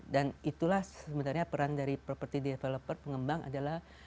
dan itulah sebenarnya peran dari property developer pengembang adalah